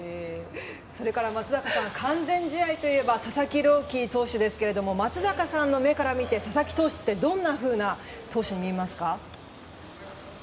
松坂さん完全試合といえば佐々木朗希投手ですが松坂さんの目から見て佐々木投手ってどんなふうな投手に見えますか？